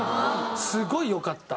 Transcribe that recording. すごい良かった。